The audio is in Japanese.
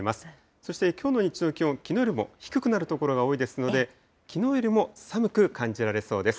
そしてきょうの日中の気温、きのうよりも低くなる所が多いですので、きのうよりも寒く感じられそうです。